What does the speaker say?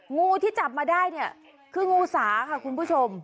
งูที่จับมาได้เนี่ยคืองูสาค่ะคุณผู้ชม